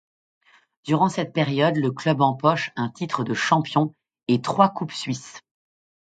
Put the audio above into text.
Durant cette période, le club empoche un titre de champion et trois coupes suisses.